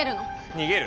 逃げる？